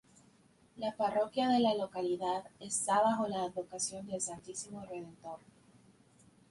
La parroquia de la localidad está bajo la advocación del "Santísimo Redentor".